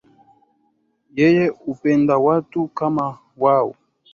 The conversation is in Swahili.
Yeye hupenda watu kama wao